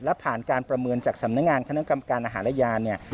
และผ่านการประเมินจากสำนักงานคณะกรรมการอาหารและยาเนี่ย